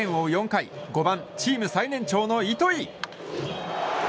４回５番、チーム最年長の糸井。